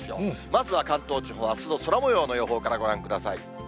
まずは関東地方、あすの空もようの予報からご覧ください。